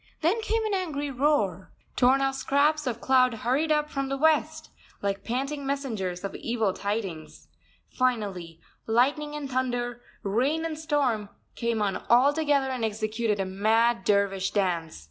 Then came an angry roar. Torn off scraps of cloud hurried up from the west, like panting messengers of evil tidings. Finally, lightning and thunder, rain and storm, came on altogether and executed a mad dervish dance.